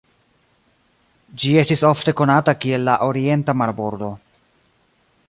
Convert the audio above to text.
Ĝi estis ofte konata kiel la "orienta marbordo".